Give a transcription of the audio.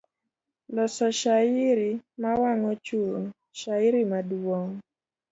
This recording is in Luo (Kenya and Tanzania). Loso shairi, mawang'o chuny, shairi maduong'.